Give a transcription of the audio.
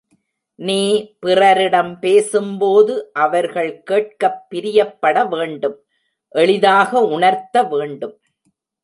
நீ பிறரிடம் பேசும்போது அவர்கள் கேட்கப் பிரியப் பட வேண்டும் எளிதாக உணர்த்த வேண்டும்.